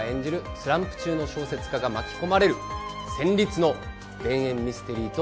スランプ中の小説家が巻き込まれる戦慄の田園ミステリーとなっております。